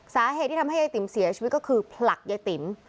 สาเหตุที่ทำให้ยายติ๋มเสียชีวิตก็คือผลักยายติ๋ม